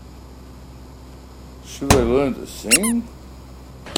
Should I learn to sing?